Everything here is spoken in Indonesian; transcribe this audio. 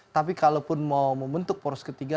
tapi kalaupun mau membentuk poros ketiga